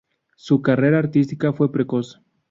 Su carrera artística fue precoz.